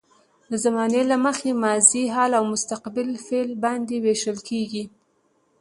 د زمانې له مخې ماضي، حال او مستقبل فعل باندې ویشل کیږي.